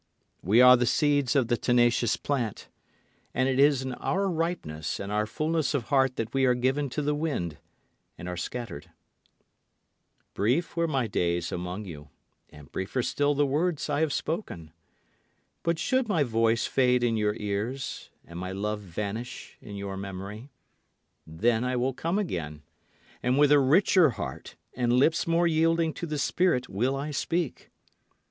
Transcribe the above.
We are the seeds of the tenacious plant, and it is in our ripeness and our fullness of heart that we are given to the wind and are scattered. Brief were my days among you, and briefer still the words I have spoken. But should my voice fade in your ears, and my love vanish in your memory, then I will come again, And with a richer heart and lips more yielding to the spirit will I speak.